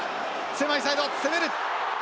狭いサイド攻める。